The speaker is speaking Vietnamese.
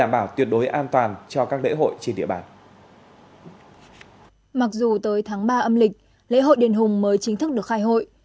mặc dù tới tháng ba âm lịch lễ hội đền hùng mới chính thức được khai hội